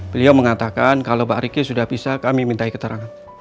beliau mengatakan kalau pak riki sudah bisa kami mintai keterangan